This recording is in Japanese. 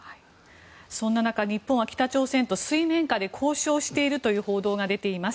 そんな中、日本は北朝鮮と水面下で交渉しているという報道が出ています。